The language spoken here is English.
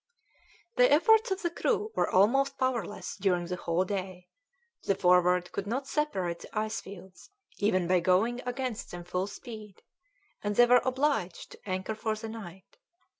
The efforts of the crew were almost powerless during the whole day. The Forward could not separate the ice fields even by going against them full speed, and they were obliged to anchor for the night.